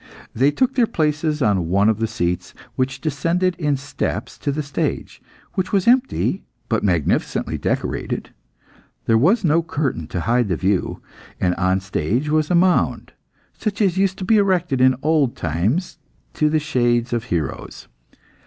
They took their places on one of the seats, which descended in steps to the stage, which was empty but magnificently decorated. There was no curtain to hide the view, and on the stage was a mound, such as used to be erected in old times to the shades of heroes.